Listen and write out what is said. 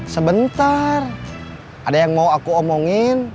sebentar ada yang mau aku omongin